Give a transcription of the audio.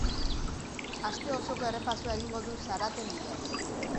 Aste osoko errepasoa egingo du zaraten bidez.